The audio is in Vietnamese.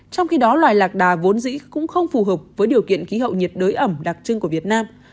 trong khi đó loài lạc đà vốn dĩ cũng không phù hợp với điều kiện khí hậu nhiệt đới ẩm đặc trưng của việt nam